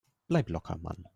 Bleib locker, Mann!